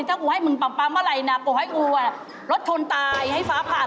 แต่ว่าอย่างบ้างเราจะติด